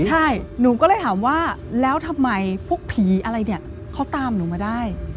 ใช่หนูก็เลยถามว่าแล้วทำไมพวกผีอะไรเนี่ยเขาตามหนูมาได้